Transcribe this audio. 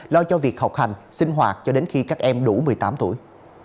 lo cho việc học hành sinh hoạt cho đến khi các em đủ một mươi tám tuổi